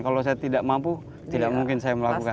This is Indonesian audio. kalau saya tidak mampu tidak mungkin saya melakukan